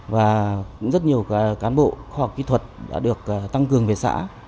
và cũng rất nhiều cán bộ khoa học kỹ thuật đã được tăng cường về xã